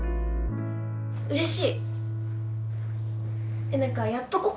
うれしい。